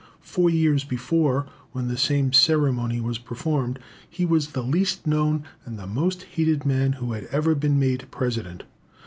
Four years before, when the same ceremony was performed, he was the least known and the most hated man who had ever been made President.